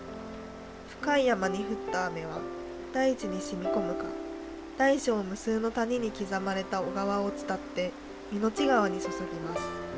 深い山に降った雨は大地に染み込むか大小無数の谷に刻まれた小川を伝って水内川に注ぎます。